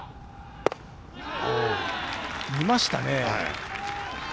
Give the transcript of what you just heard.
見ましたね。